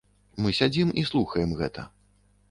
Мы сядзім і слухаем гэта.